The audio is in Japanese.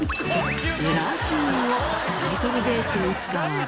エラーシーンをタイトルベースに使われ。